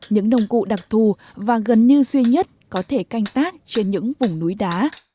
những nông cụ đặc thù và gần như duy nhất có thể canh tác trên những vùng núi đá